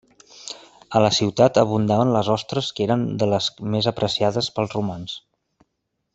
A la ciutat abundaven les ostres que eren de les més apreciades pels romans.